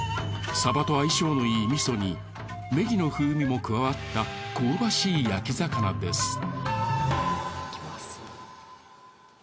サバと相性のいい味噌にねぎの風味も加わった香ばしい焼き魚です。